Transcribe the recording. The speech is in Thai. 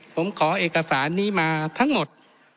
ผมขอเอกสารนี้มาทั้งหมด